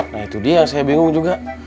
nah itu dia yang saya bingung juga